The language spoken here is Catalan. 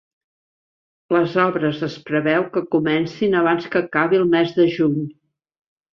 Les obres es preveu que comencin abans que acabi el mes de juny.